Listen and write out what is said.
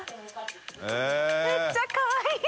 めっちゃかわいい。）